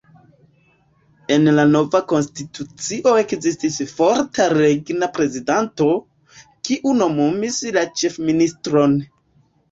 En la nova konstitucio ekzistis forta regna prezidanto, kiu nomumis la ĉefministron.